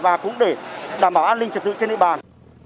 và cũng để đảm bảo an ninh trật tự trên địa bàn